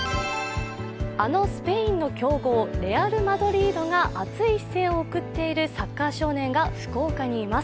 あのスペインの強豪、レアル・マドリードが熱い視線を送っている少年が福岡にいます。